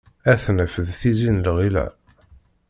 Ad t-naf, di tizi n lɣila.